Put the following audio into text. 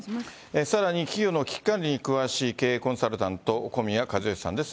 さらに企業の危機管理に詳しい経営コンサルタント、小宮一慶さんです。